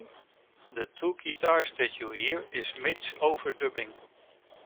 The two guitars that you hear is Mitch over-dubbing.